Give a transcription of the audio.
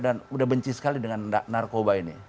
dan udah benci sekali dengan narkoba ini